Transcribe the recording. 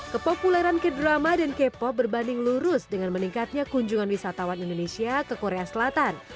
kepopuleran k drama dan k pop berbanding lurus dengan meningkatnya kunjungan wisatawan indonesia ke korea selatan